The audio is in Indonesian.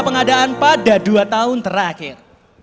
pengadaan pada dua tahun terakhir